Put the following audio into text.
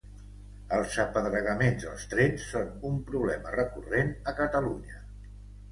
Els apedregaments als trens són un problema recurrent a Catalunya.